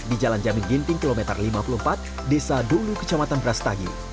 di jalan jami ginting kilometer lima puluh empat desa dulu kecamatan brastagi